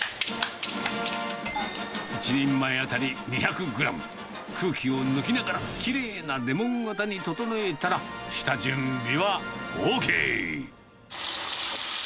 １人前当たり２００グラム、空気を抜きながら、きれいなレモン形に整えたら、下準備はＯＫ。